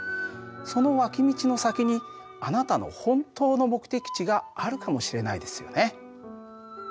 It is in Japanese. その脇道の先にあなたの本当の目的地があるかもしれないですよね。